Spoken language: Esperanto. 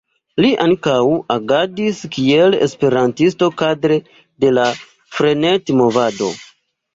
Li ankaŭ agadis kiel esperantisto kadre de la Frenet-movado.